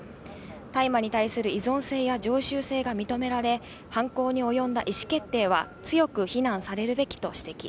大麻に対する依存性や常習性が認められ、犯行に及んだ意思決定は強く非難されるべきと指摘。